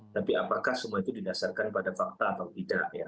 tapi apakah semua itu didasarkan pada fakta atau tidak ya